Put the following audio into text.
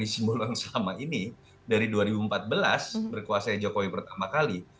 sikap fndc bolon selama ini dari dua ribu empat belas berkuasa jokowi pertama kali